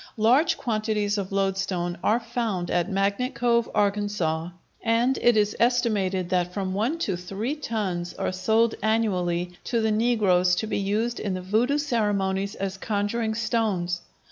Large quantities of loadstone are found at Magnet Cove, Arkansas, and it is estimated that from one to three tons are sold annually to the negroes to be used in the Voodoo ceremonies as conjuring stones.